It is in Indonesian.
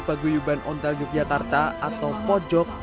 paguyuban ontal yogyakarta atau pojok